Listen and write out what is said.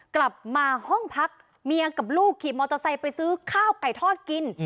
กลับมาห้องพักเมียกับลูกขี่มอเตอร์ไซค์ไปซื้อข้าวไก่ทอดกิน